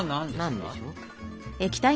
何でしょう？